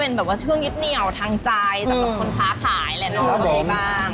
เป็นแบบว่าเชื่อมิตเนี่ยวทางใจแต่ว่าคนท้าขายแหละเนอะโอเคบ้าง